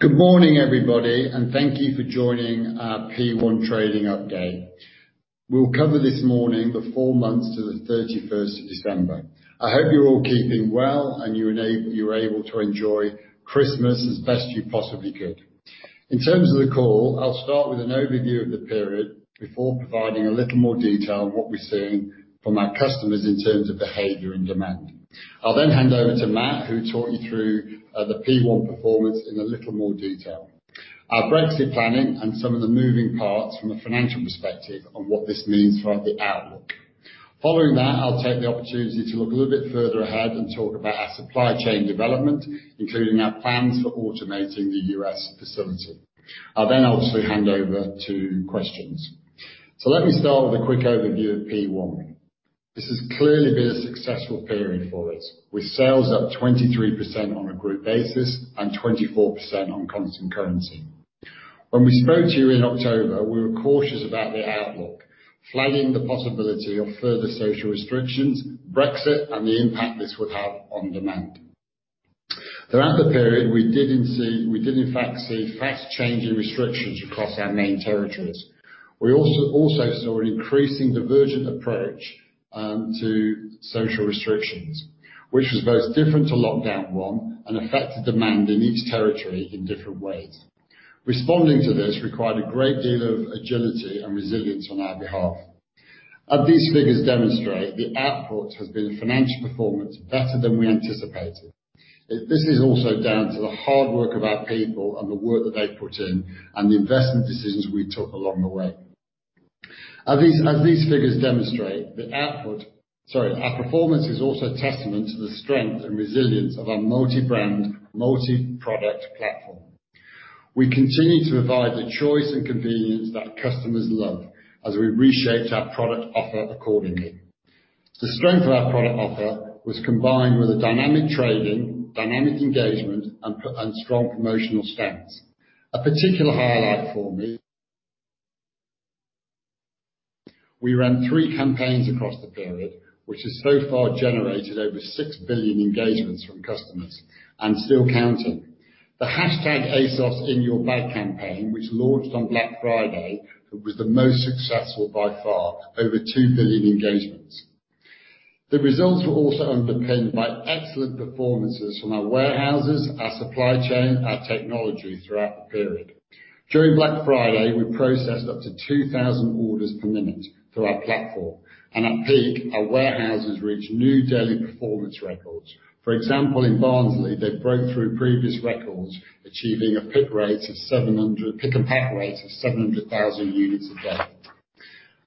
Good morning, everybody, and thank you for joining our P1 Trading Update. We'll cover this morning the four months to the 31st of December. I hope you're all keeping well and you were able to enjoy Christmas as best you possibly could. In terms of the call, I'll start with an overview of the period before providing a little more detail on what we're seeing from our customers in terms of behavior and demand. I'll then hand over to Mat, who'll talk you through the P1 performance in a little more detail, our Brexit planning, and some of the moving parts from a financial perspective on what this means for the outlook. Following that, I'll take the opportunity to look a little bit further ahead and talk about our supply chain development, including our plans for automating the U.S. facility. I'll then obviously hand over to questions. Let me start with a quick overview of P1. This has clearly been a successful period for us, with sales up 23% on a group basis and 24% on constant currency. When we spoke to you in October, we were cautious about the outlook, flagging the possibility of further social restrictions, Brexit, and the impact this would have on demand. Throughout the period, we did in fact see fast-changing restrictions across our main territories. We also saw an increasing divergent approach to social restrictions, which was both different to lockdown 1 and affected demand in each territory in different ways. Responding to this required a great deal of agility and resilience on our behalf. As these figures demonstrate, the output has been a financial performance better than we anticipated. This is also down to the hard work of our people and the work that they put in, and the investment decisions we took along the way. As these figures demonstrate, our performance is also a testament to the strength and resilience of our multi-brand, multi-product platform. We continue to provide the choice and convenience that customers love as we reshaped our product offer accordingly. The strength of our product offer was combined with a dynamic trading, dynamic engagement, and strong promotional stance. A particular highlight for me. We ran three campaigns across the period, which has so far generated over 6 billion engagements from customers and still counting. The #ASOSInYourBag campaign, which launched on Black Friday, was the most successful by far, over 2 billion engagements. The results were also underpinned by excellent performances from our warehouses, our supply chain, our technology throughout the period. During Black Friday, we processed up to 2,000 orders per minute through our platform, and at peak, our warehouses reached new daily performance records. For example, in Barnsley, they broke through previous records, achieving a pick and pack rate of 700,000 units a day.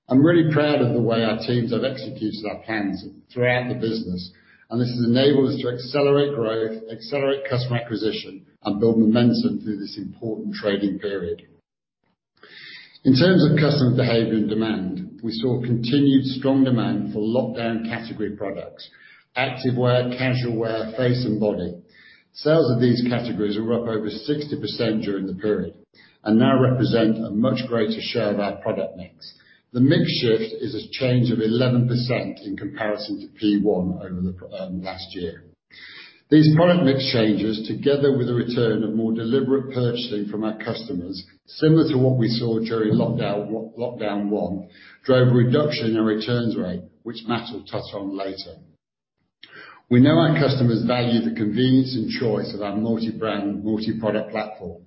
I'm really proud of the way our teams have executed our plans throughout the business. This has enabled us to accelerate growth, accelerate customer acquisition, and build momentum through this important trading period. In terms of customer behavior and demand, we saw continued strong demand for lockdown category products, activewear, casual wear, face, and body. Sales of these categories were up over 60% during the period and now represent a much greater share of our product mix. The mix shift is a change of 11% in comparison to P1 over last year. These product mix changes, together with a return of more deliberate purchasing from our customers, similar to what we saw during lockdown one, drove a reduction in our returns rate, which Mat will touch on later. We know our customers value the convenience and choice of our multi-brand, multi-product platform,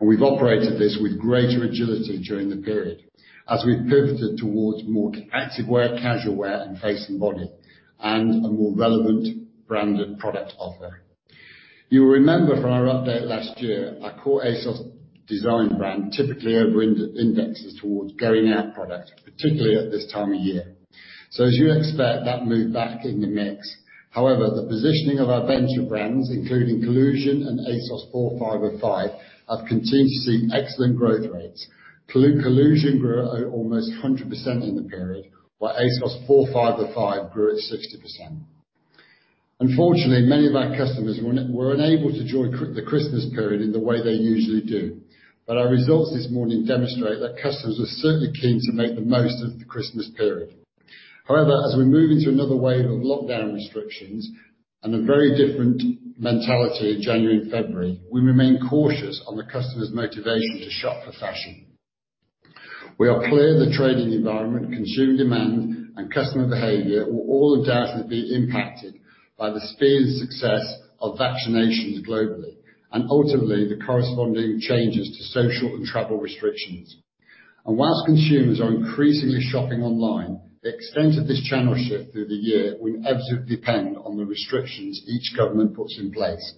and we've operated this with greater agility during the period as we pivoted towards more activewear, casual wear, and face and body, and a more relevant branded product offer. You will remember from our update last year, our core ASOS Design brand typically over indexes towards going-out products, particularly at this time of year. As you'd expect, that moved back in the mix. However, the positioning of our venture brands, including COLLUSION and ASOS 4505, have continued to see excellent growth rates. COLLUSION grew at almost 100% in the period, while ASOS 4505 grew at 60%. Unfortunately, many of our customers were unable to enjoy the Christmas period in the way they usually do. Our results this morning demonstrate that customers are certainly keen to make the most of the Christmas period. However, as we move into another wave of lockdown restrictions and a very different mentality in January and February, we remain cautious on the customer's motivation to shop for fashion. We are clear the trading environment, consumer demand, and customer behavior will all undoubtedly be impacted by the speed and success of vaccinations globally, and ultimately the corresponding changes to social and travel restrictions. Whilst consumers are increasingly shopping online, the extent of this channel shift through the year will absolutely depend on the restrictions each government puts in place.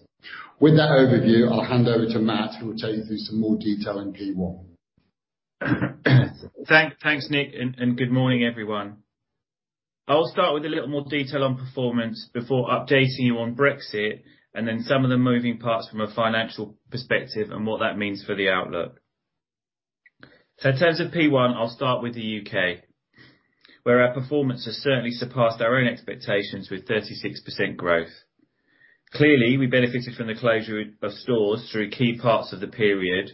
With that overview, I'll hand over to Mat, who will take you through some more detail on P1. Thanks, Nick. Good morning, everyone. I'll start with a little more detail on performance before updating you on Brexit, then some of the moving parts from a financial perspective and what that means for the outlook. In terms of P1, I'll start with the U.K., where our performance has certainly surpassed our own expectations with 36% growth. Clearly, we benefited from the closure of stores through key parts of the period,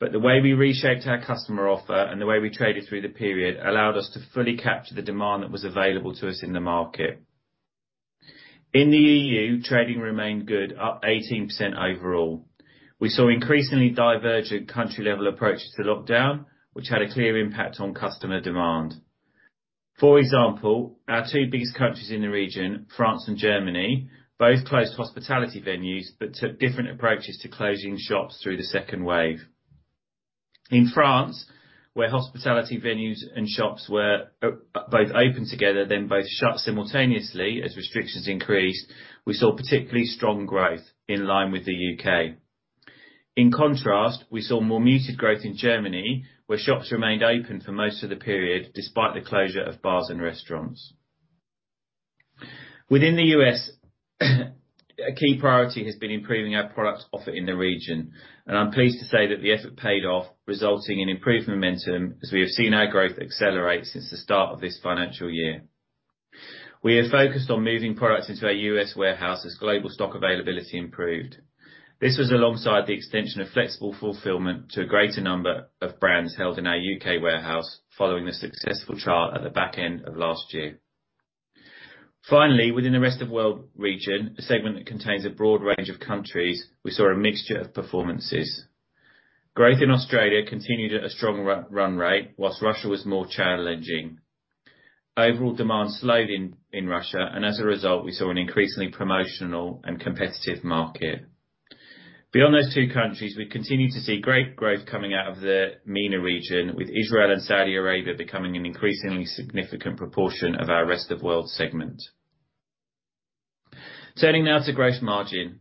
the way we reshaped our customer offer and the way we traded through the period allowed us to fully capture the demand that was available to us in the market. In the EU, trading remained good, up 18% overall. We saw increasingly divergent country-level approaches to lockdown, which had a clear impact on customer demand. For example, our two biggest countries in the region, France and Germany, both closed hospitality venues but took different approaches to closing shops through the second wave. In France, where hospitality venues and shops were both open together, then both shut simultaneously as restrictions increased, we saw particularly strong growth in line with the U.K. In contrast, we saw more muted growth in Germany, where shops remained open for most of the period despite the closure of bars and restaurants. Within the U.S., a key priority has been improving our product offer in the region, and I'm pleased to say that the effort paid off, resulting in improved momentum as we have seen our growth accelerate since the start of this financial year. We are focused on moving products into our U.S. warehouse as global stock availability improved. This was alongside the extension of flexible fulfillment to a greater number of brands held in our U.K. warehouse, following the successful trial at the back end of last year. Finally, within the rest of world region, a segment that contains a broad range of countries, we saw a mixture of performances. Growth in Australia continued at a strong run rate, whilst Russia was more challenging. Overall demand slowed in Russia. As a result, we saw an increasingly promotional and competitive market. Beyond those two countries, we continue to see great growth coming out of the MENA region, with Israel and Saudi Arabia becoming an increasingly significant proportion of our rest of world segment. Turning now to gross margin.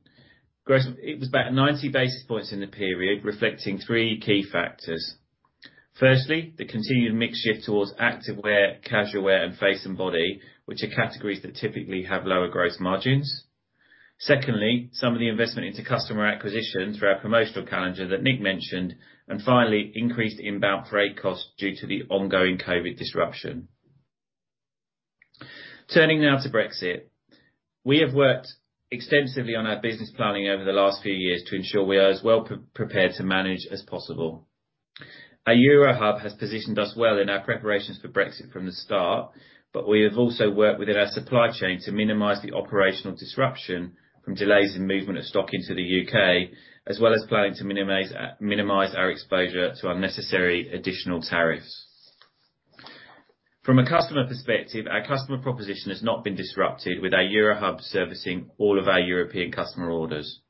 It was about 90 basis points in the period, reflecting three key factors. Firstly, the continued mix shift towards activewear, casual wear, and face and body, which are categories that typically have lower gross margins. Secondly, some of the investment into customer acquisition through our promotional calendar that Nick mentioned, and finally, increased inbound freight costs due to the ongoing COVID disruption. Turning now to Brexit. We have worked extensively on our business planning over the last few years to ensure we are as well prepared to manage as possible. Our Eurohub has positioned us well in our preparations for Brexit from the start, but we have also worked within our supply chain to minimize the operational disruption from delays in movement of stock into the U.K., as well as planning to minimize our exposure to unnecessary additional tariffs. From a customer perspective, our customer proposition has not been disrupted with our Eurohub servicing all of our European customer orders.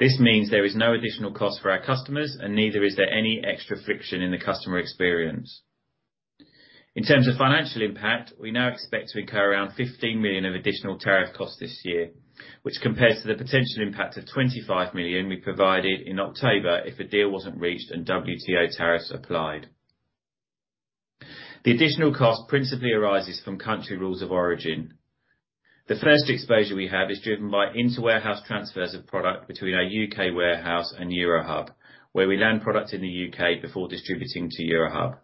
This means there is no additional cost for our customers, and neither is there any extra friction in the customer experience. In terms of financial impact, we now expect to incur around 15 million of additional tariff costs this year, which compares to the potential impact of 25 million we provided in October if a deal wasn't reached and WTO tariffs applied. The additional cost principally arises from country rules of origin. The first exposure we have is driven by inter-warehouse transfers of product between our U.K. warehouse and Eurohub, where we land product in the U.K. before distributing to Eurohub.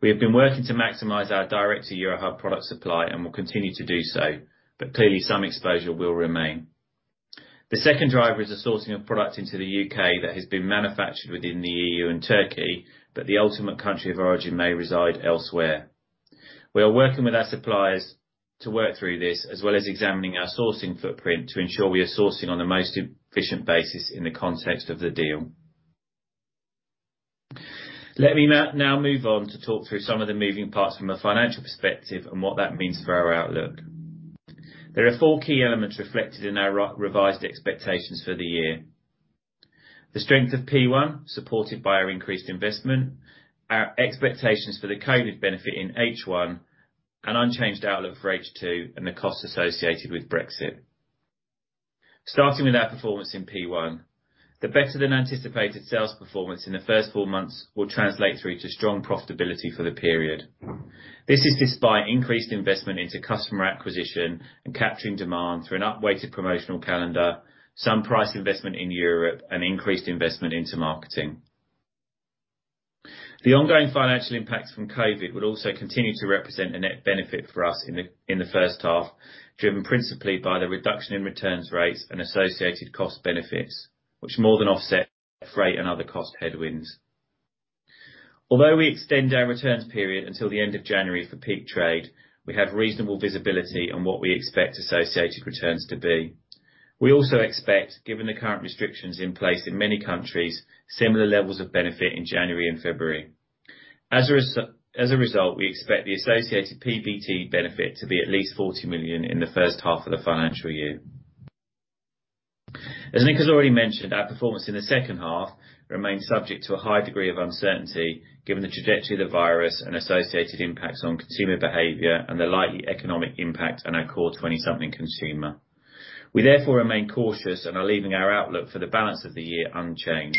We have been working to maximize our direct to Eurohub product supply and will continue to do so, but clearly, some exposure will remain. The second driver is the sourcing of product into the U.K. that has been manufactured within the EU and Turkey, but the ultimate country of origin may reside elsewhere. We are working with our suppliers to work through this, as well as examining our sourcing footprint to ensure we are sourcing on the most efficient basis in the context of the deal. Let me now move on to talk through some of the moving parts from a financial perspective and what that means for our outlook. There are four key elements reflected in our revised expectations for the year. The strength of P1, supported by our increased investment, our expectations for the COVID benefit in H1, an unchanged outlook for H2, and the costs associated with Brexit. Starting with our performance in P1. The better-than-anticipated sales performance in the first four months will translate through to strong profitability for the period. This is despite increased investment into customer acquisition and capturing demand through an up-weighted promotional calendar, some price investment in Europe, and increased investment into marketing. The ongoing financial impact from COVID would also continue to represent a net benefit for us in the first half, driven principally by the reduction in returns rates and associated cost benefits, which more than offset freight and other cost headwinds. Although we extend our returns period until the end of January for peak trade, we have reasonable visibility on what we expect associated returns to be. We also expect, given the current restrictions in place in many countries, similar levels of benefit in January and February. As a result, we expect the associated PBT benefit to be at least 40 million in the first half of the financial year. As Nick has already mentioned, our performance in the second half remains subject to a high degree of uncertainty, given the trajectory of the virus and associated impacts on consumer behavior and the likely economic impact on our core 20-something consumer. We therefore remain cautious and are leaving our outlook for the balance of the year unchanged.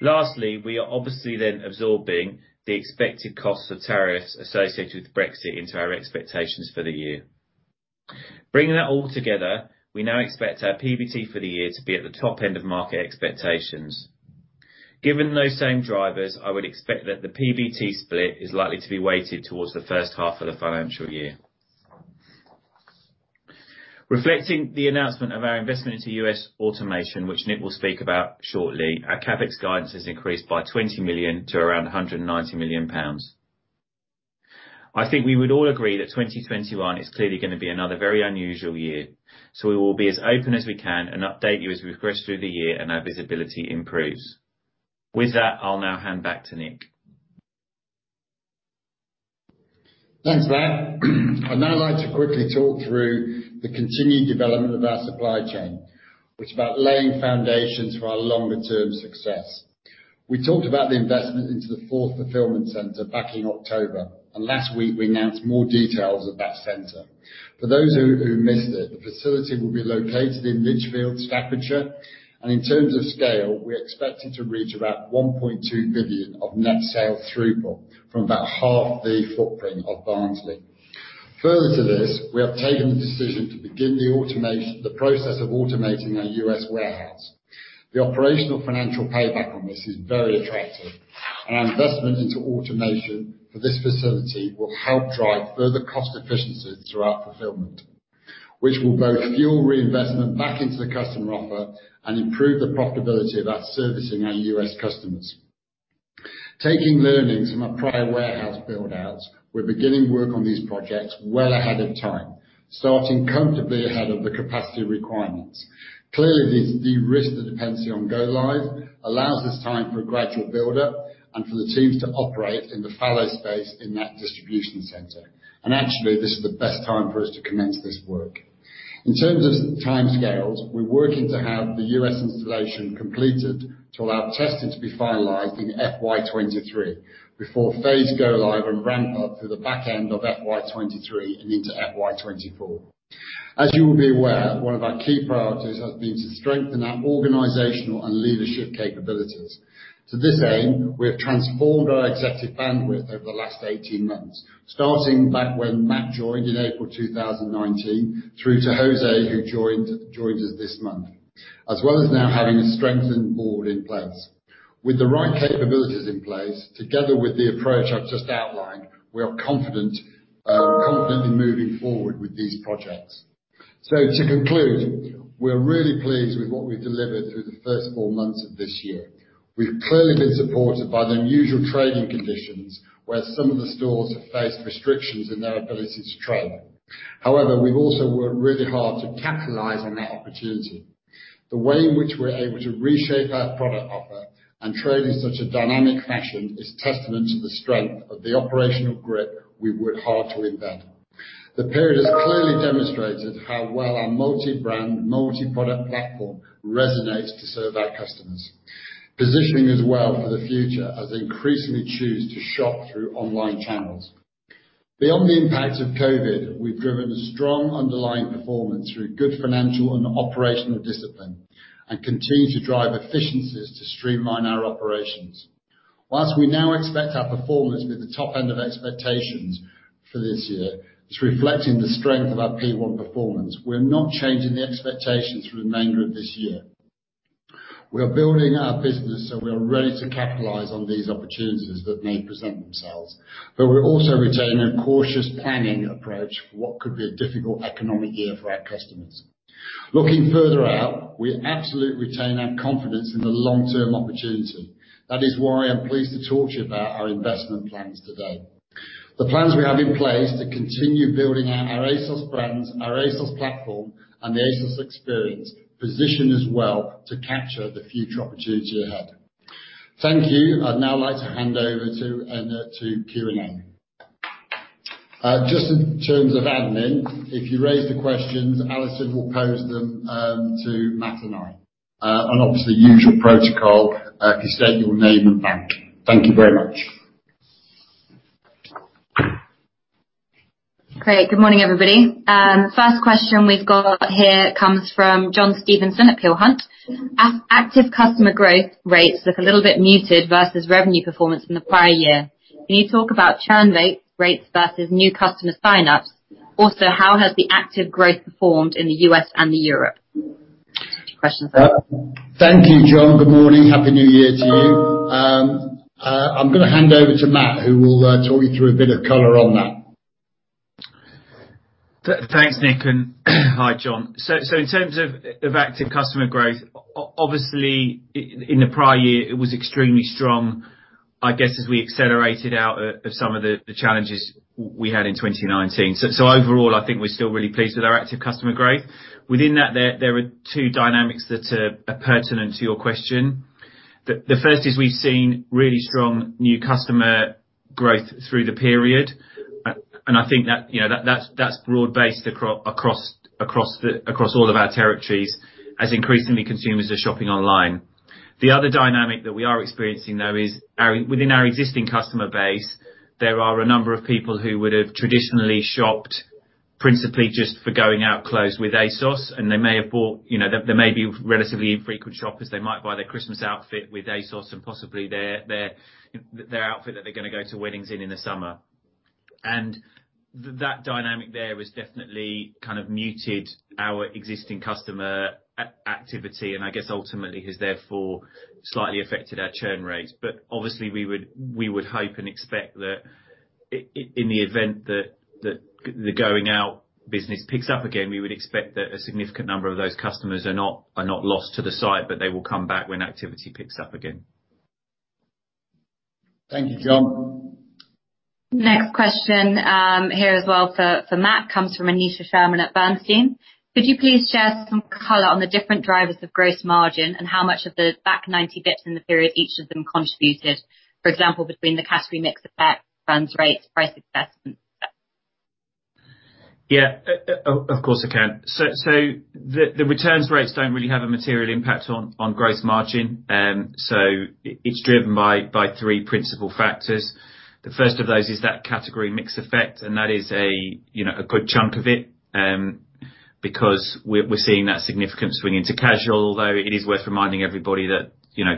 Lastly, we are obviously then absorbing the expected cost of tariffs associated with Brexit into our expectations for the year. Bringing that all together, we now expect our PBT for the year to be at the top end of market expectations. Given those same drivers, I would expect that the PBT split is likely to be weighted towards the first half of the financial year. Reflecting the announcement of our investment into U.S. automation, which Nick will speak about shortly, our CapEx guidance has increased by 20 million to around 190 million pounds. I think we would all agree that 2021 is clearly going to be another very unusual year. We will be as open as we can and update you as we progress through the year and our visibility improves. With that, I'll now hand back to Nick. Thanks, Mat. I'd now like to quickly talk through the continued development of our supply chain, which is about laying foundations for our longer-term success. We talked about the investment into the fourth fulfillment center back in October, and last week we announced more details of that center. For those who missed it, the facility will be located in Lichfield, Staffordshire, and in terms of scale, we're expecting to reach about 1.2 billion of net sale throughput from about half the footprint of Barnsley. Further to this, we have taken the decision to begin the process of automating our U.S. warehouse. The operational financial payback on this is very attractive, and our investment into automation for this facility will help drive further cost efficiencies throughout fulfillment. Which will both fuel reinvestment back into the customer offer and improve the profitability of us servicing our U.S. customers. Taking learnings from our prior warehouse build-outs, we're beginning work on these projects well ahead of time, starting comfortably ahead of the capacity requirements. Clearly, this de-risks the dependency on go-live, allows us time for a gradual build-up, and for the teams to operate in the fallow space in that distribution center. Actually, this is the best time for us to commence this work. In terms of timescales, we're working to have the U.S. installation completed to allow testing to be finalized in FY 2023 before phase go live and ramp up through the back end of FY 2023 and into FY 2024. As you will be aware, one of our key priorities has been to strengthen our organizational and leadership capabilities. To this aim, we have transformed our executive bandwidth over the last 18 months, starting back when Mat joined in April 2019, through to José, who joins us this month, as well as now having a strengthened board in place. With the right capabilities in place, together with the approach I've just outlined, we are confidently moving forward with these projects. To conclude, we're really pleased with what we've delivered through the first four months of this year. We've clearly been supported by the unusual trading conditions, where some of the stores have faced restrictions in their ability to trade. However, we've also worked really hard to capitalize on that opportunity. The way in which we're able to reshape our product offer and trade in such a dynamic fashion is testament to the strength of the operational grip we worked hard to embed. The period has clearly demonstrated how well our multi-brand, multi-product platform resonates to serve our customers, positioning us well for the future as they increasingly choose to shop through online channels. Beyond the impact of COVID, we've driven a strong underlying performance through good financial and operational discipline and continue to drive efficiencies to streamline our operations. Whilst we now expect our performance to be at the top end of expectations for this year, it's reflecting the strength of our P1 performance. We're not changing the expectations for the remainder of this year. We are building our business, so we are ready to capitalize on these opportunities that may present themselves, but we're also retaining a cautious planning approach for what could be a difficult economic year for our customers. Looking further out, we absolutely retain our confidence in the long-term opportunity. That is why I'm pleased to talk to you about our investment plans today. The plans we have in place to continue building out our ASOS brands, our ASOS platform, and the ASOS experience position us well to capture the future opportunity ahead. Thank you. I'd now like to hand over to Q&A. Just in terms of admin, if you raise the questions, Alison will pose them to Mat and I. Obviously, usual protocol, could you state your name and bank. Thank you very much. Great. Good morning, everybody. First question we've got here comes from John Stevenson at Peel Hunt. Active customer growth rates look a little bit muted versus revenue performance from the prior year. Can you talk about churn rates versus new customer sign-ups? Also, how has the active growth performed in the U.S. and Europe? Questions there. Thank you, John. Good morning. Happy New Year to you. I'm going to hand over to Mat, who will talk you through a bit of color on that. Thanks, Nick, and hi, John. In terms of active customer growth, obviously, in the prior year it was extremely strong, I guess as we accelerated out of some of the challenges we had in 2019. Overall, I think we're still really pleased with our active customer growth. Within that, there are two dynamics that are pertinent to your question. The first is we've seen really strong new customer growth through the period, and I think that's broad-based across all of our territories, as increasingly consumers are shopping online. The other dynamic that we are experiencing, though, is within our existing customer base, there are a number of people who would have traditionally shopped principally just for going-out clothes with ASOS, and they may be relatively infrequent shoppers. They might buy their Christmas outfit with ASOS and possibly their outfit that they're going to go to weddings in in the summer. That dynamic there has definitely muted our existing customer activity, and I guess ultimately has therefore slightly affected our churn rates. Obviously we would hope and expect that in the event that the going out business picks up again, we would expect that a significant number of those customers are not lost to the site, but they will come back when activity picks up again. Thank you, John. Next question here as well for Mat comes from Aneesha Sherman at Bernstein. Could you please share some color on the different drivers of gross margin and how much of the back 90 basis points in the period each of them contributed, for example, between the category mix effect, returns rates, price investment? Yeah. Of course, I can. The returns rates don't really have a material impact on gross margin. It's driven by three principal factors. The first of those is that category mix effect, and that is a good chunk of it, because we're seeing that significant swing into casual, although it is worth reminding everybody that,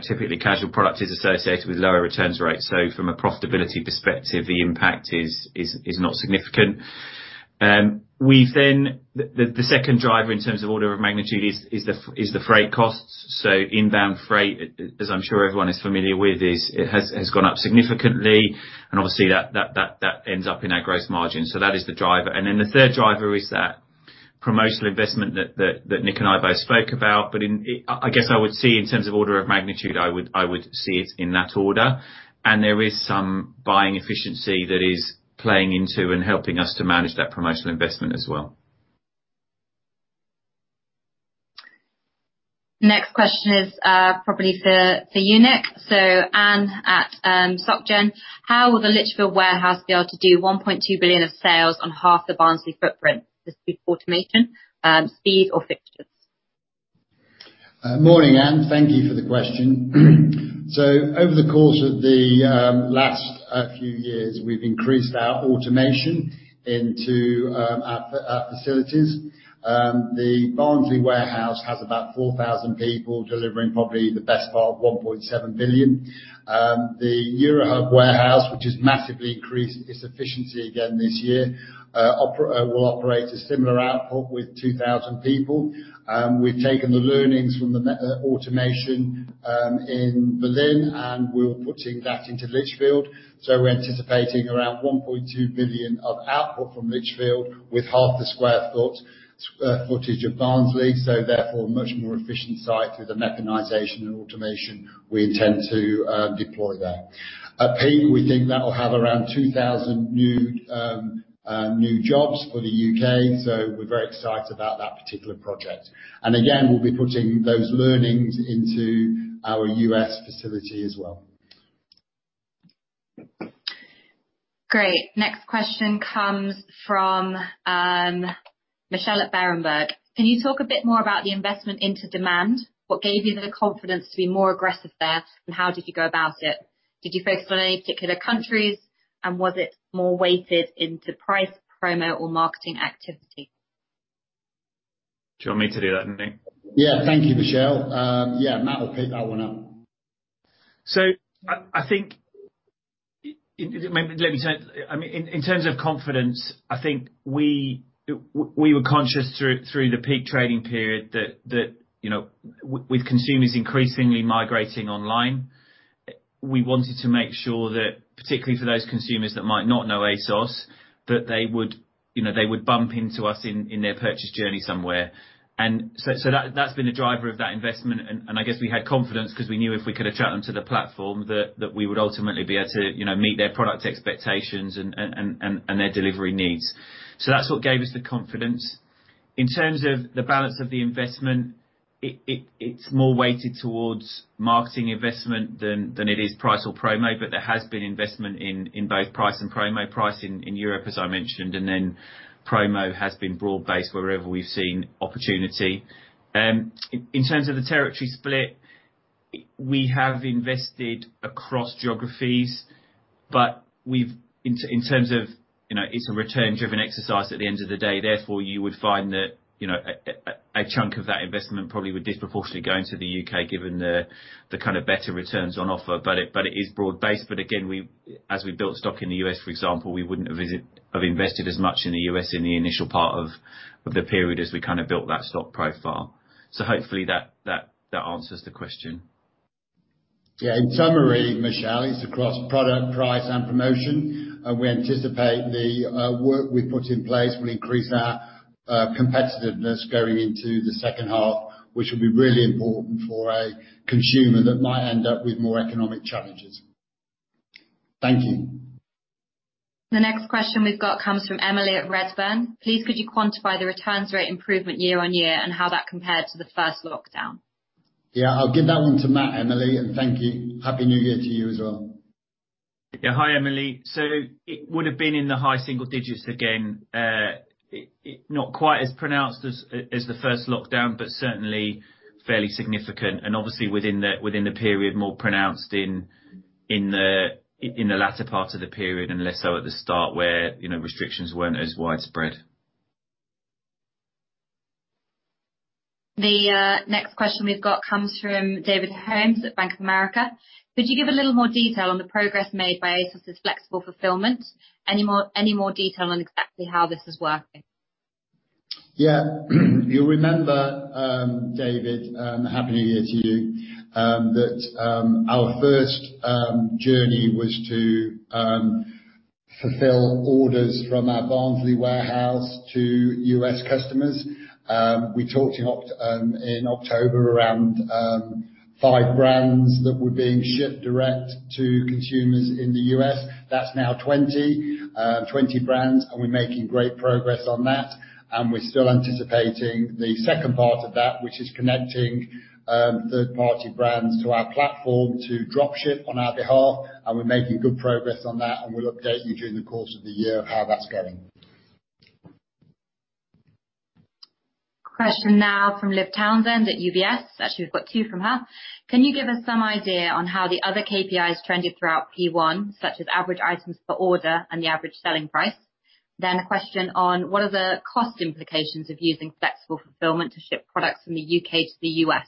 typically casual product is associated with lower returns rates. From a profitability perspective, the impact is not significant. The second driver in terms of order of magnitude is the freight costs. Inbound freight, as I'm sure everyone is familiar with, has gone up significantly and obviously that ends up in our gross margin. That is the driver. The third driver is that promotional investment that Nick and I both spoke about. I guess I would see in terms of order of magnitude, I would see it in that order. There is some buying efficiency that is playing into and helping us to manage that promotional investment as well. Next question is probably for you, Nick. Anne at Soc Gen, how will the Lichfield warehouse be able to do 1.2 billion of sales on half the Barnsley footprint? Is this through automation, speed or fixtures? Morning, Anne. Thank you for the question. Over the course of the last few years, we've increased our automation into our facilities. The Barnsley warehouse has about 4,000 people delivering probably the best part of 1.7 billion. The Eurohub warehouse, which has massively increased its efficiency again this year, will operate a similar output with 2,000 people. We've taken the learnings from the automation in Berlin, and we're putting that into Lichfield. We're anticipating around 1.2 billion of output from Lichfield with half the square footage of Barnsley, so therefore a much more efficient site through the mechanization and automation we intend to deploy there. At peak, we think that'll have around 2,000 new jobs for the U.K. We're very excited about that particular project. Again, we'll be putting those learnings into our U.S. facility as well. Great. Next question comes from Michelle at Berenberg. Can you talk a bit more about the investment into demand? What gave you the confidence to be more aggressive there, and how did you go about it? Did you focus on any particular countries, and was it more weighted into price, promo, or marketing activity? Do you want me to do that, Nick? Yeah. Thank you, Michelle. Yeah, Mat will pick that one up. In terms of confidence, we were conscious through the peak trading period that with consumers increasingly migrating online, we wanted to make sure that, particularly for those consumers that might not know ASOS, that they would bump into us in their purchase journey somewhere. That's been a driver of that investment. We had confidence because we knew if we could attract them to the platform, that we would ultimately be able to meet their product expectations and their delivery needs. That's what gave us the confidence. In terms of the balance of the investment, it's more weighted towards marketing investment than it is price or promo, but there has been investment in both price and promo. Price in Europe, as I mentioned, promo has been broad-based wherever we've seen opportunity. In terms of the territory split, we have invested across geographies, but in terms of, it's a return driven exercise at the end of the day, therefore, you would find that a chunk of that investment probably would disproportionately go into the U.K., given the better returns on offer. It is broad based. Again, as we built stock in the U.S., for example, we wouldn't have invested as much in the U.S. in the initial part of the period as we built that stock profile. Hopefully that answers the question. Yeah. In summary, Michelle, it is across product, price, and promotion. We anticipate the work we have put in place will increase our competitiveness going into the second half, which will be really important for a consumer that might end up with more economic challenges. Thank you. The next question we've got comes from Emily at Redburn. Please, could you quantify the returns rate improvement year-on-year and how that compared to the first lockdown? Yeah. I'll give that one to Mat, Emily, and thank you. Happy New Year to you as well. Yeah. Hi, Emily. It would have been in the high single-digits again. Not quite as pronounced as the first lockdown, but certainly fairly significant and obviously within the period more pronounced in the latter part of the period and less so at the start where restrictions weren't as widespread. The next question we've got comes from David Holmes at Bank of America. Could you give a little more detail on the progress made by ASOS's flexible fulfillment? Any more detail on exactly how this is working? Yeah. You'll remember, David, and happy New Year to you, that our first journey was to fulfill orders from our Barnsley warehouse to U.S. customers. We talked in October around five brands that were being shipped direct to consumers in the U.S. That's now 20 brands, and we're making great progress on that. We're still anticipating the second part of that, which is connecting third-party brands to our platform to drop ship on our behalf, and we're making good progress on that, and we'll update you during the course of the year how that's going. Question now from Liv Townsend at UBS. Actually, we've got two from her. Can you give us some idea on how the other KPIs trended throughout P1, such as average items per order and the average selling price? A question on, what are the cost implications of using flexible fulfillment to ship products from the U.K. to the U.S.?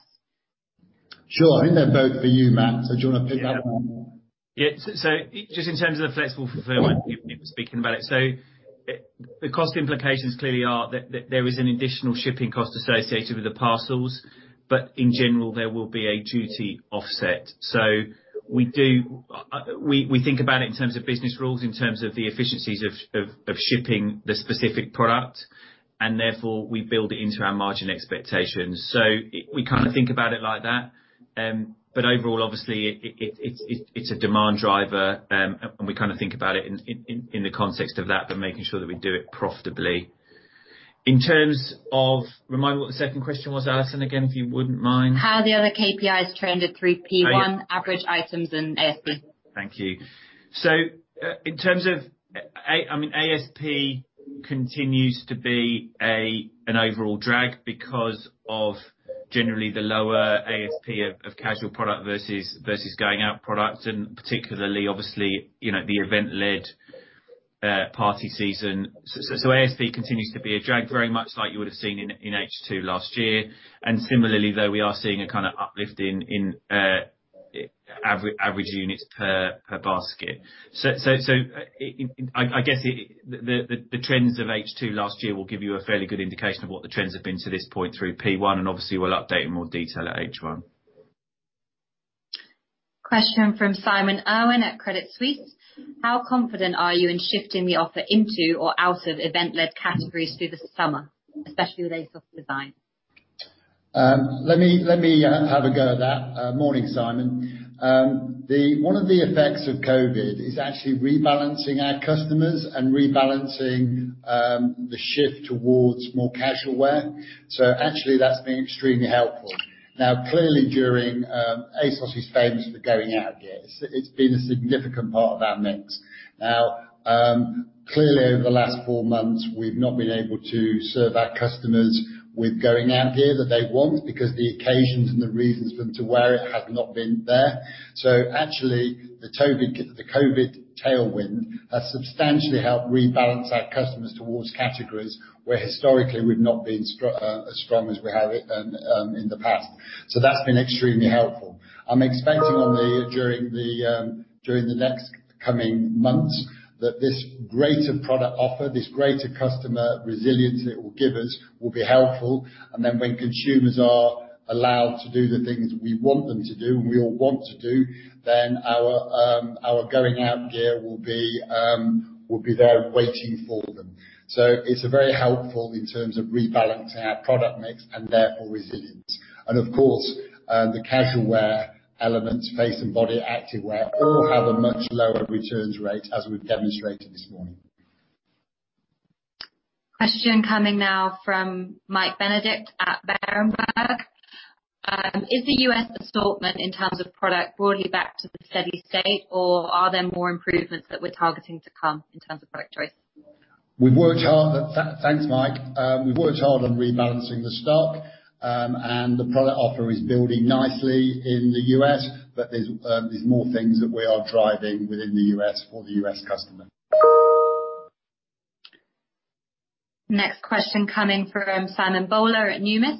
Sure. I think they're both for you, Mat, so do you want to pick up on that one? Just in terms of the flexible fulfillment, you've been speaking about it. The cost implications clearly are that there is an additional shipping cost associated with the parcels, but in general, there will be a duty offset. We think about it in terms of business rules, in terms of the efficiencies of shipping the specific product, and therefore, we build it into our margin expectations. We think about it like that. Overall, obviously, it's a demand driver, and we think about it in the context of that, but making sure that we do it profitably. In terms of, remind me what the second question was, Alison, again, if you wouldn't mind. How the other KPIs trended through P1, average items and ASP. Thank you. In terms of ASP continues to be an overall drag because of generally the lower ASP of casual product versus going out product, and particularly, obviously, the event-led party season. ASP continues to be a drag, very much like you would have seen in H2 last year. Similarly, though, we are seeing a kind of uplift in average units per basket. I guess, the trends of H2 last year will give you a fairly good indication of what the trends have been to this point through P1, and obviously, we'll update in more detail at H1. Question from Simon Irwin at Credit Suisse. How confident are you in shifting the offer into or out of event-led categories through the summer, especially with ASOS Design? Let me have a go at that. Morning, Simon. One of the effects of COVID is actually rebalancing our customers and rebalancing the shift towards more casual wear. Actually, that's been extremely helpful. Now, clearly ASOS is famous for going out gear. It's been a significant part of our mix. Now, clearly, over the last four months, we've not been able to serve our customers with going out gear that they want because the occasions and the reasons for them to wear it have not been there. Actually, the COVID tailwind has substantially helped rebalance our customers towards categories where historically we've not been as strong as we have been in the past. That's been extremely helpful. I'm expecting during the next coming months that this greater product offer, this greater customer resilience it will give us, will be helpful. When consumers are allowed to do the things we want them to do and we all want to do, then our going out gear will be there waiting for them. It's very helpful in terms of rebalancing our product mix and therefore resilience. Of course, the casual wear elements, face and body, activewear, all have a much lower returns rate, as we've demonstrated this morning. Question coming now from Mike Benedict at Berenberg. Is the U.S. assortment in terms of product broadly back to the steady state or are there more improvements that we're targeting to come in terms of product choice? Thanks, Mike. We've worked hard on rebalancing the stock, and the product offer is building nicely in the U.S., but there's more things that we are driving within the U.S. for the U.S. customer. Next question coming from Simon Bowler at Numis.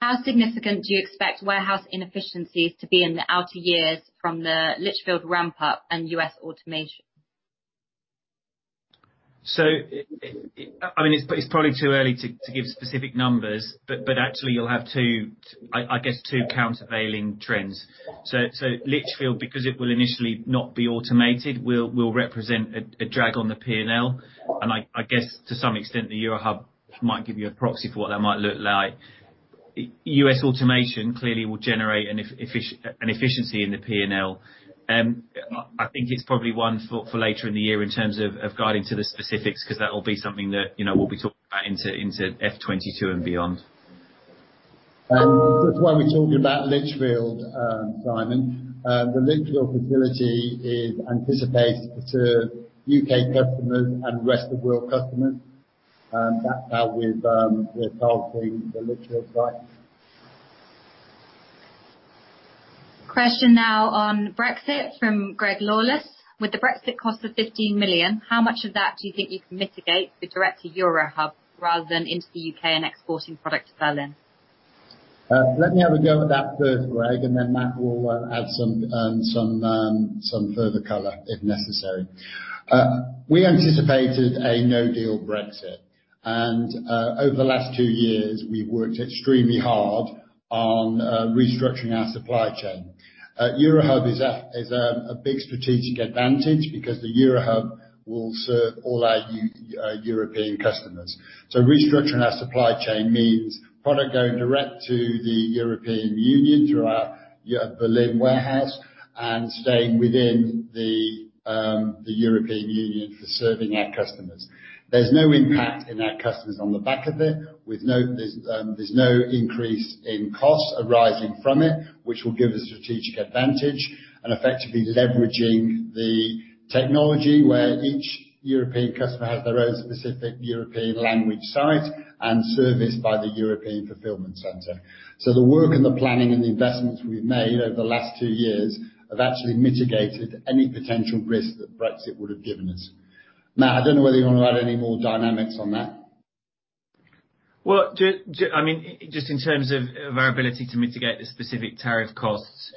How significant do you expect warehouse inefficiencies to be in the outer years from the Lichfield ramp-up and U.S. automation? It's probably too early to give specific numbers, but actually you'll have, I guess, two countervailing trends. Lichfield, because it will initially not be automated, will represent a drag on the P&L, and I guess to some extent, the Eurohub might give you a proxy for what that might look like. U.S. automation clearly will generate an efficiency in the P&L. I think it's probably one for later in the year in terms of guiding to the specifics, because that will be something that we'll be talking about into FY 2022 and beyond. Just while we talk about Lichfield, Simon, the Lichfield facility is anticipated to serve U.K. customers and rest of world customers. That's how we're targeting the Lichfield site. Question now on Brexit from Greg Lawless. With the Brexit cost of 15 million, how much of that do you think you can mitigate with direct to Eurohub rather than into the U.K. and exporting product to Berlin? Let me have a go at that first, Greg, then Mat will add some further color if necessary. We anticipated a no-deal Brexit. Over the last two years, we've worked extremely hard on restructuring our supply chain. Eurohub is a big strategic advantage because the Eurohub will serve all our European customers. Restructuring our supply chain means product going direct to the European Union through our Berlin warehouse and staying within the European Union for serving our customers. There's no impact in our customers on the back of it. There's no increase in cost arising from it, which will give a strategic advantage and effectively leveraging the technology where each European customer has their own specific European language site and serviced by the European fulfillment center. The work and the planning and the investments we've made over the last two years have actually mitigated any potential risk that Brexit would've given us. Mat, I don't know whether you want to add any more dynamics on that. Well, just in terms of our ability to mitigate the specific tariff costs,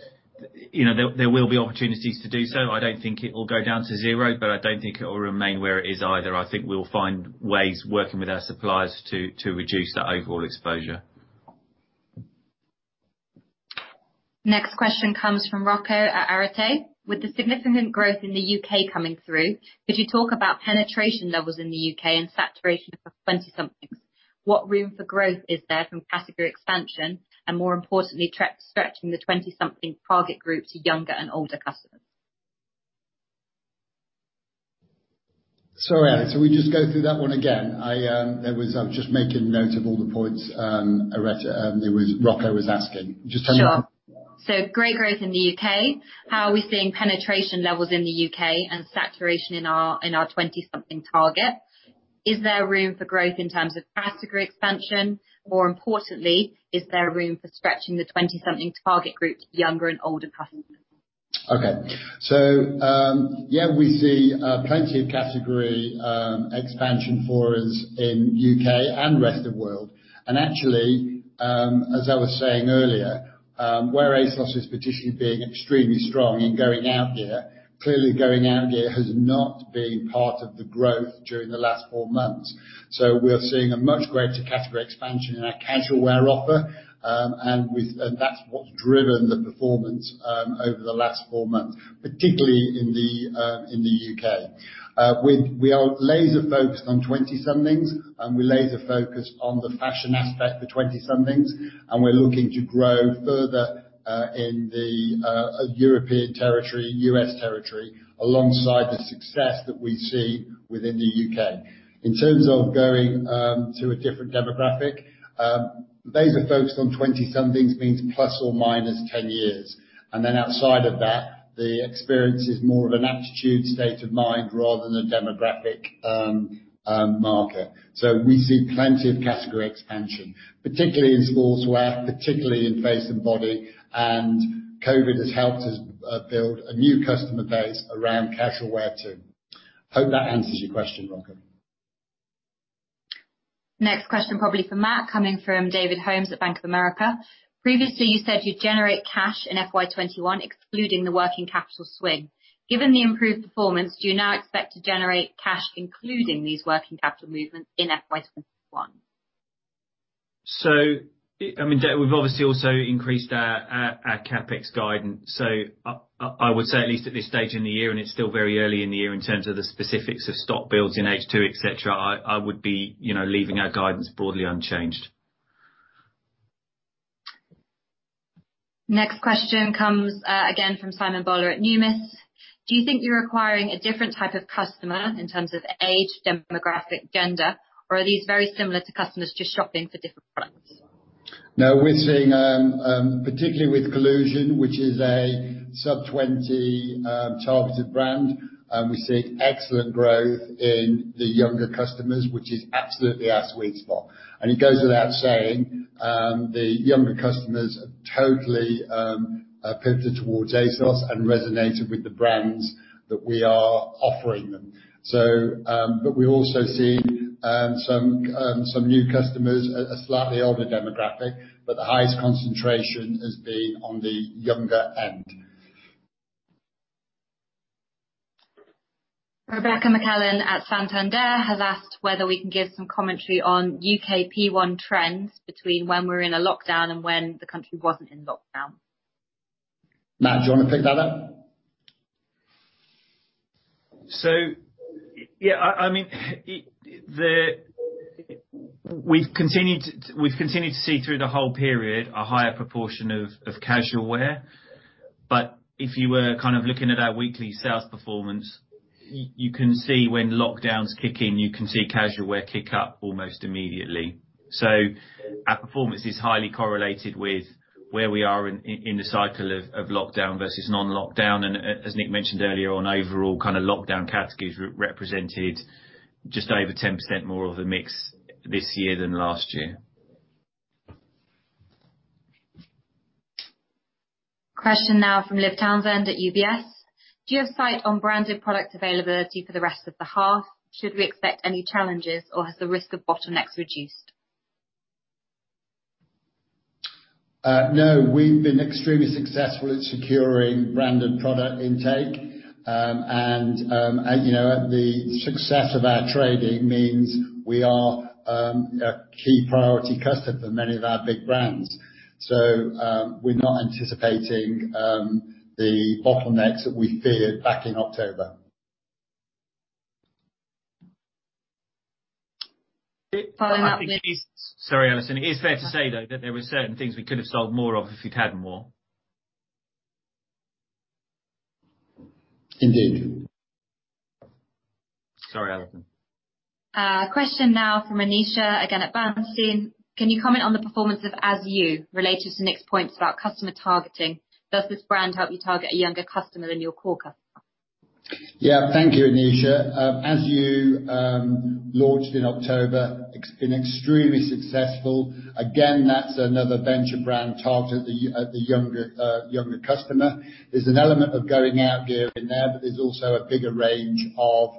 there will be opportunities to do so. I don't think it will go down to zero, but I don't think it will remain where it is either. I think we'll find ways working with our suppliers to reduce that overall exposure. Next question comes from Rocco at Arete. With the significant growth in the U.K. coming through, could you talk about penetration levels in the U.K. and saturation for 20-somethings? What room for growth is there from category expansion and, more importantly, stretching the 20-something target group to younger and older customers? Sorry, shall we just go through that one again? I was just making note of all the points Rocco was asking. Just tell me- Sure. Great growth in the U.K. How are we seeing penetration levels in the U.K. and saturation in our 20-something target? Is there room for growth in terms of category expansion? More importantly, is there room for stretching the 20-something target group to younger and older customers? Okay. Yeah, we see plenty of category expansion for us in U.K. and rest of world. Actually, as I was saying earlier, where ASOS is particularly being extremely strong in going out there, clearly going out there has not been part of the growth during the last four months. We are seeing a much greater category expansion in our casual wear offer, and that's what's driven the performance over the last four months, particularly in the U.K. We are laser focused on 20-somethings, and we're laser focused on the fashion aspect for 20-somethings. We're looking to grow further in the European territory, U.S. territory, alongside the success that we see within the U.K. In terms of going to a different demographic, laser focused on 20-somethings means ±10 years. Outside of that, the experience is more of an aptitude state of mind rather than a demographic marker. We see plenty of category expansion, particularly in sportswear, particularly in face and body. COVID has helped us build a new customer base around casual wear, too. Hope that answers your question, Rocco. Next question probably for Mat, coming from David Holmes at Bank of America. Previously, you said you'd generate cash in FY 2021, excluding the working capital swing. Given the improved performance, do you now expect to generate cash including these working capital movements in FY 2021? We've obviously also increased our CapEx guidance. I would say at least at this stage in the year, and it's still very early in the year in terms of the specifics of stock builds in H2, et cetera, I would be leaving our guidance broadly unchanged. Next question comes again from Simon Bowler at Numis. Do you think you're acquiring a different type of customer in terms of age, demographic, gender, or are these very similar to customers just shopping for different products? No, we're seeing, particularly with COLLUSION, which is a sub-20 targeted brand, we're seeing excellent growth in the younger customers, which is absolutely our sweet spot. It goes without saying, the younger customers are totally pivoted towards ASOS and resonated with the brands that we are offering them. We also see some new customers, a slightly older demographic, but the highest concentration has been on the younger end. Rebecca McClellan at Santander has asked whether we can give some commentary on U.K. P1 trends between when we're in a lockdown and when the country wasn't in lockdown. Mat, do you want to pick that up? Yeah, we've continued to see through the whole period a higher proportion of casual wear. If you were looking at our weekly sales performance, you can see when lockdowns kick in, you can see casual wear kick up almost immediately. Our performance is highly correlated with where we are in the cycle of lockdown versus non-lockdown. As Nick mentioned earlier on, overall lockdown categories represented just over 10% more of the mix this year than last year Question now from Liv Townsend at UBS. Do you have sight on branded product availability for the rest of the half? Should we expect any challenges, or has the risk of bottlenecks reduced? No. We've been extremely successful at securing branded product intake. The success of our trading means we are a key priority customer for many of our big brands. We're not anticipating the bottlenecks that we feared back in October. Following up, Nick. I think Sorry, Alison. It is fair to say, though, that there are certain things we could have sold more of if we'd had more. Indeed. Sorry, Alison. Question now from Aneesha, again, at Bernstein. Can you comment on the performance of ASYOU related to Nick's points about customer targeting? Does this brand help you target a younger customer than your core customer? Thank you, Aneesha. ASYOU launched in October. It's been extremely successful. That's another venture brand targeted at the younger customer. There's an element of going out gear in there, but there's also a bigger range of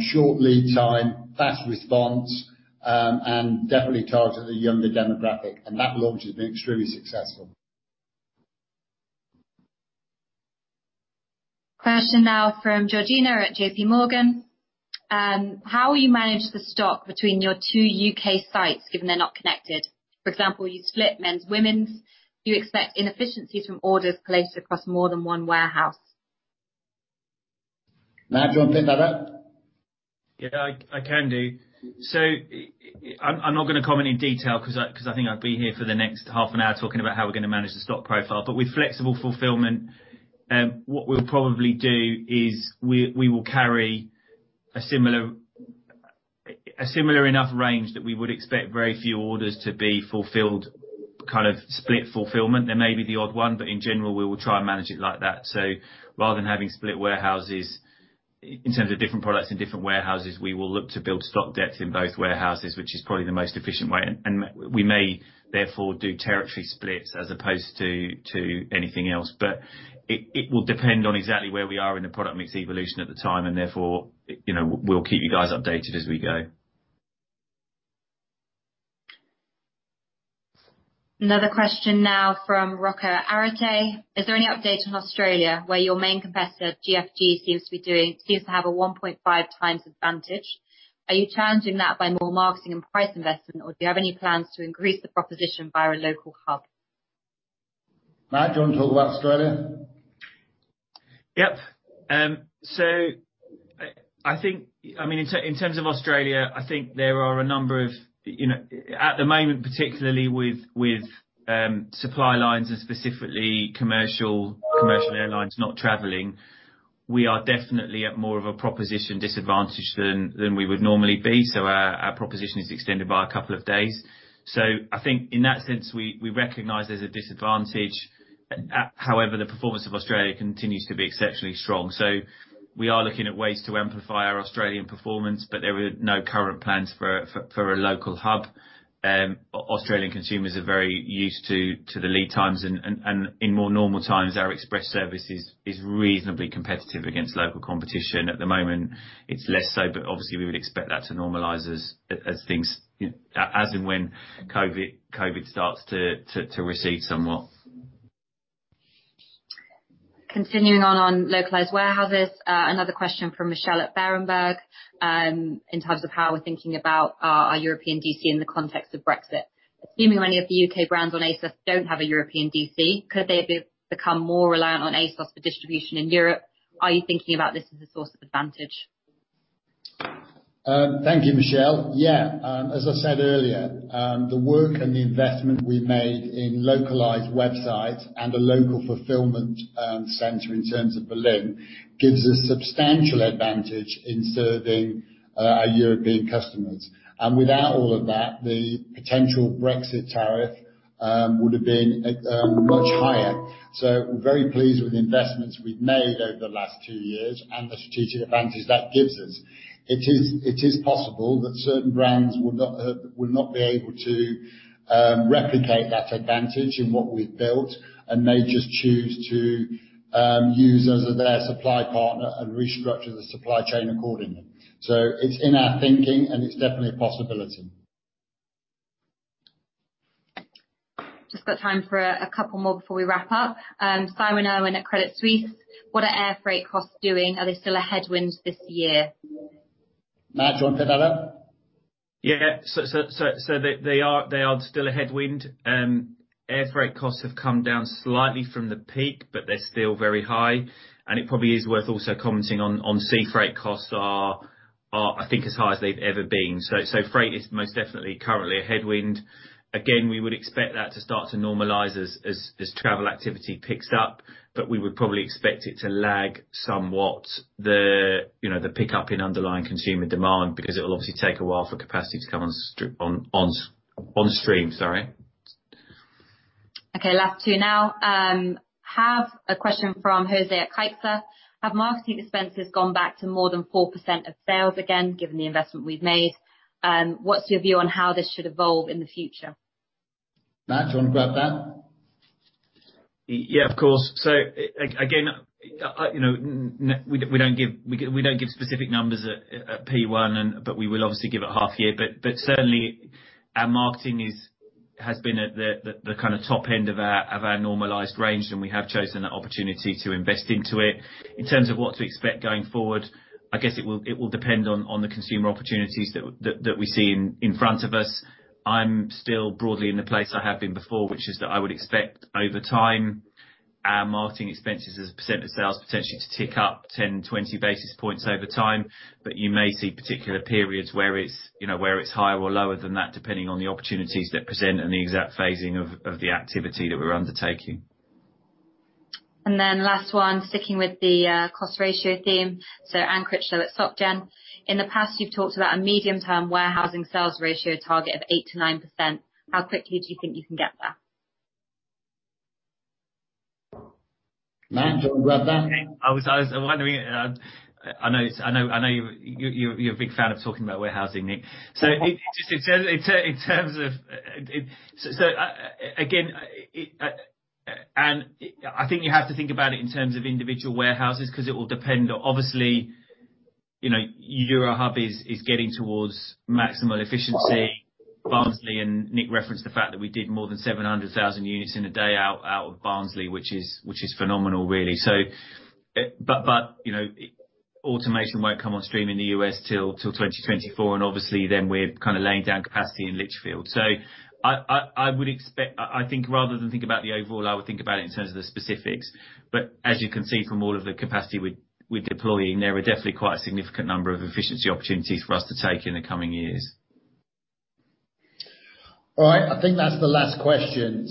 short lead time, fast response, and definitely targeted at a younger demographic. That launch has been extremely successful. Question now from Georgina at JPMorgan. How will you manage the stock between your two U.K. sites, given they're not connected? For example, you split men's, women's. Do you expect inefficiencies from orders placed across more than one warehouse? Mat, do you want to pick that up? Yeah, I can do. I'm not going to comment in detail because I think I'd be here for the next half an hour talking about how we're going to manage the stock profile. With flexible fulfillment, what we'll probably do is we will carry a similar enough range that we would expect very few orders to be fulfilled, kind of split fulfillment. There may be the odd one, but in general, we will try and manage it like that. Rather than having split warehouses in terms of different products in different warehouses, we will look to build stock depth in both warehouses, which is probably the most efficient way. We may therefore do territory splits as opposed to anything else. It will depend on exactly where we are in the product mix evolution at the time, and therefore, we'll keep you guys updated as we go. Another question now from Rocco Arete. Is there any update on Australia where your main competitor, GFG, seems to have a 1.5x advantage? Are you challenging that by more marketing and price investment, or do you have any plans to increase the proposition via a local hub? Mat, do you want to talk about Australia? Yep. In terms of Australia, I think there are a number of, at the moment, particularly with supply lines and specifically commercial airlines not traveling, we are definitely at more of a proposition disadvantage than we would normally be. Our proposition is extended by a couple of days. I think in that sense, we recognize there's a disadvantage. However, the performance of Australia continues to be exceptionally strong. We are looking at ways to amplify our Australian performance, but there are no current plans for a local hub. Australian consumers are very used to the lead times, and in more normal times, our express service is reasonably competitive against local competition. At the moment it's less so, but obviously we would expect that to normalize as in when COVID starts to recede somewhat. Continuing on localized warehouses, another question from Michelle at Berenberg in terms of how we're thinking about our European DC in the context of Brexit. Assuming many of the U.K. brands on ASOS don't have a European DC, could they become more reliant on ASOS for distribution in Europe? Are you thinking about this as a source of advantage? Thank you, Michelle. As I said earlier, the work and the investment we've made in localized websites and a local fulfillment center in terms of Berlin, gives a substantial advantage in serving our European customers. Without all of that, the potential Brexit tariff would have been much higher. We're very pleased with the investments we've made over the last two years and the strategic advantage that gives us. It is possible that certain brands would not be able to replicate that advantage in what we've built and may just choose to use us as their supply partner and restructure the supply chain accordingly. It's in our thinking, and it's definitely a possibility. Just got time for a couple more before we wrap up. Simon Irwin at Credit Suisse. What are air freight costs doing? Are they still a headwind this year? Mat, do you want to take that one? Yeah. They are still a headwind. Air freight costs have come down slightly from the peak, but they're still very high. It probably is worth also commenting on sea freight costs are, I think, as high as they've ever been. Freight is most definitely currently a headwind. Again, we would expect that to start to normalize as travel activity picks up, but we would probably expect it to lag somewhat the pickup in underlying consumer demand because it will obviously take a while for capacity to come on stream. Sorry. Okay, last two now. Have a question from José at Kaiser. Have marketing expenses gone back to more than 4% of sales again, given the investment we've made? What's your view on how this should evolve in the future? Mat, do you want to grab that? Of course. Again, we don't give specific numbers at P1, but we will obviously give at half year. Certainly, our marketing has been at the kind of top end of our normalized range, and we have chosen the opportunity to invest into it. In terms of what to expect going forward, I guess it will depend on the consumer opportunities that we see in front of us. I'm still broadly in the place I have been before, which is that I would expect over time, our marketing expenses as a percent of sales potentially to tick up 10, 20 basis points over time. You may see particular periods where it's higher or lower than that, depending on the opportunities that present and the exact phasing of the activity that we're undertaking. Last one, sticking with the cost ratio theme. Anne Critchlow at Soc Gen. In the past, you've talked about a medium-term warehousing sales ratio target of 8% to 9%. How quickly do you think you can get there? Mat, do you want to grab that? I was wondering I know you're a big fan of talking about warehousing, Nick. Again, Anne, I think you have to think about it in terms of individual warehouses, because it will depend, obviously, Eurohub is getting towards maximal efficiency. Barnsley, Nick referenced the fact that we did more than 700,000 units in a day out of Barnsley, which is phenomenal, really. Automation won't come on stream in the U.S. till 2024, obviously then we're kind of laying down capacity in Lichfield. I would expect, I think rather than think about the overall, I would think about it in terms of the specifics. As you can see from all of the capacity we're deploying, there are definitely quite a significant number of efficiency opportunities for us to take in the coming years. All right. I think that's the last question.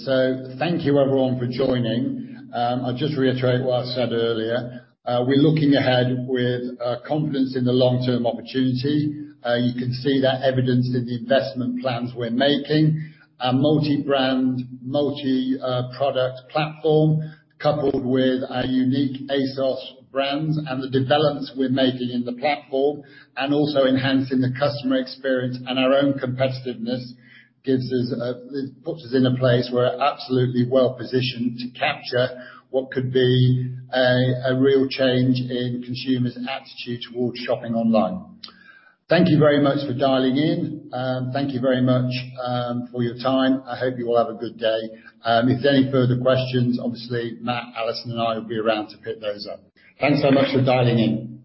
Thank you everyone for joining. I'll just reiterate what I said earlier. We're looking ahead with confidence in the long-term opportunity. You can see that evidenced in the investment plans we're making. Our multi-brand, multi-product platform, coupled with our unique ASOS brands and the developments we're making in the platform, and also enhancing the customer experience and our own competitiveness, puts us in a place we're absolutely well-positioned to capture what could be a real change in consumers' attitude towards shopping online. Thank you very much for dialing in. Thank you very much for your time. I hope you all have a good day. If there are any further questions, obviously, Mat, Alison, and I will be around to pick those up. Thanks so much for dialing in.